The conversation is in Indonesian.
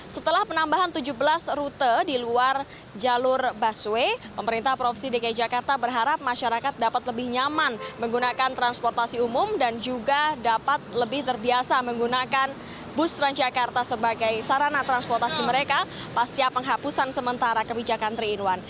setelah penambahan tujuh belas rute di luar jalur busway pemerintah provinsi dki jakarta berharap masyarakat dapat lebih nyaman menggunakan transportasi umum dan juga dapat lebih terbiasa menggunakan bus transjakarta sebagai sarana transportasi mereka pasca penghapusan sementara kebijakan tiga in satu